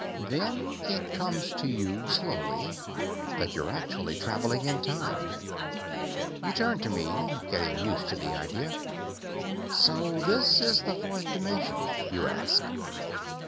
Then it comes to you slowly that you're actually traveling in time. You turn to me, getting used to the idea. "So this is the fourth dimension?" you ask.